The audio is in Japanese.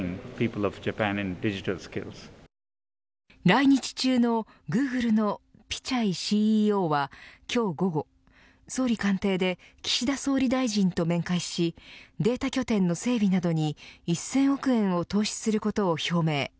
来日中のグーグルのピチャイＣＥＯは今日午後、総理官邸で岸田総理大臣と面会しデータ拠点の整備などに１０００億円を投資することを表明。